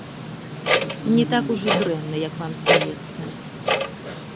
Не так ужо дрэнна, як вам здаецца.